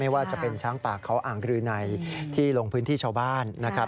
ว่าจะเป็นช้างป่าเขาอ่างรืนัยที่ลงพื้นที่ชาวบ้านนะครับ